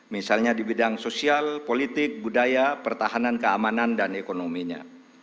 misalnya di bidang sosial politik budaya pertahanan keamanan dan ekonominya